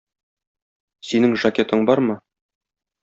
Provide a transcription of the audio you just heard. Синең жакетың бармы?